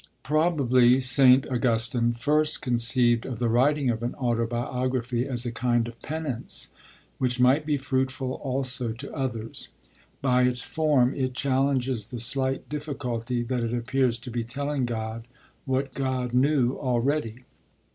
Probably St. Augustine first conceived of the writing of an autobiography as a kind of penance, which might be fruitful also to others. By its form it challenges the slight difficulty that it appears to be telling God what God knew already.